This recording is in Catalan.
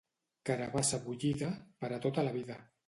Carabassa bullida, per a tota la vida.